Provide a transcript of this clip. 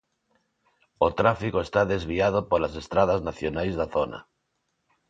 O tráfico está desviado polas estradas nacionais da zona.